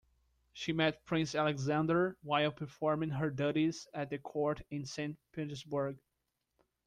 She met Prince Alexander while performing her duties at court in Saint Petersburg.